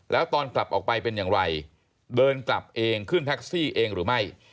แล้วตอนกลับออกไปเป็นอย่างไรเดินกลับเองขึ้นแท็กซี่เองหรือไม่